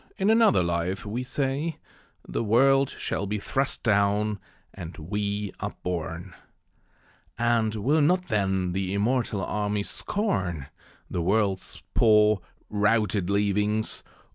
in another life, we say The world shall be thrust down, and we up borne. And will not, then, the immortal armies scorn The world's poor, routed leavings?